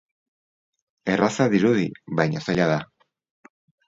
Erraza dirudi, baina zaila da.